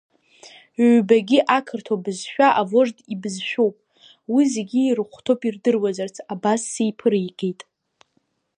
Ҩбагьы ақырҭуа бызшәа авожд ибызшәоуп, уи зегьы ирыхәҭоуп ирдыруазарц, абас сиԥыригеит.